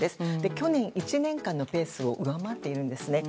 去年１年間のペースを上回っているんですね。